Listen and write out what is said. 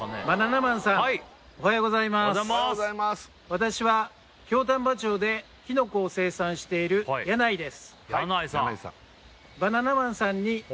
私は京丹波町でキノコを生産している柳井です